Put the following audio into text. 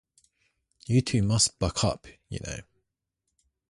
You two must buck up, you know.